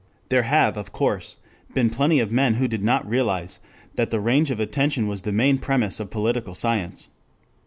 There have, of course, been plenty of men who did not realize that the range of attention was the main premise of political science.